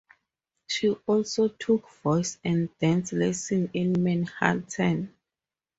She also took voice and dance lessons in Manhattan.